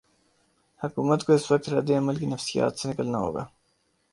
حکومت کو اس وقت رد عمل کی نفسیات سے نکلنا ہو گا۔